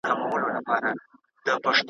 ادم د ټول بشریت پلار ګڼل کیږي.